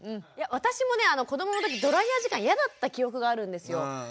私もね子どもの時ドライヤー時間嫌だった記憶があるんですよ。